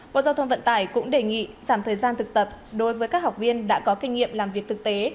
bộ giao thông vận tải cũng đề nghị giảm thời gian thực tập đối với các học viên đã có kinh nghiệm làm việc thực tế